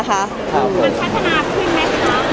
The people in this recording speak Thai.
มันพัฒนาขึ้นไหมคะ